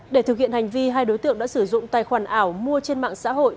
để thực hiện hành vi hai đối tượng đã sử dụng tài khoản ảo mua trên mạng xã hội